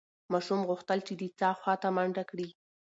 ماشوم غوښتل چې د څاه خواته منډه کړي.